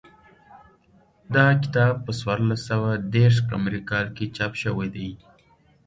دا کتاب په څوارلس سوه دېرش قمري کال کې چاپ شوی دی